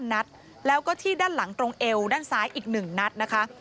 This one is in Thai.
นัดแล้วก็ที่ด้านหลังตรงเอวด้านซ้ายอีก๑นัดนะคะ